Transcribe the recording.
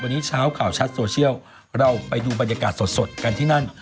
วันนี้เช้าข่าวชัดโซเชียลเราไปดูบรรยากาศสดกันที่นั่น